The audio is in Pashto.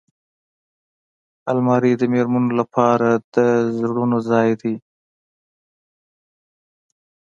الماري د مېرمنو لپاره د زرونو ځای دی